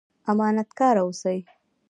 امانت کاره اوسئ